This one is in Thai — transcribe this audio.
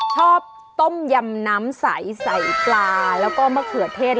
ต้มยำน้ำใสใส่ปลาแล้วก็มะเขือเทศ